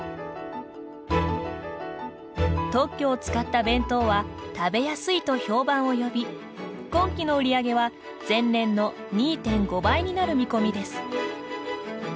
特許を使った弁当は食べやすいと評判を呼び今期の売り上げは、前年の２．５倍になる見込みです。